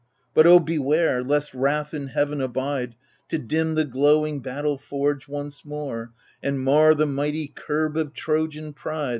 But O beware ! lest wrath in Heaven abide, To dim the glowing battle forge once more, And mar the mighty curb of Trojan pride.